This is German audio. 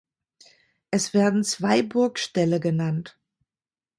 Es werden zwei Burgställe genannt.